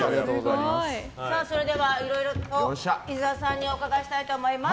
それでは、いろいろと伊沢さんにお伺いしたいと思います。